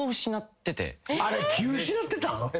あれ気失ってたん？